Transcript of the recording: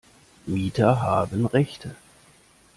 Mieter haben Rechte.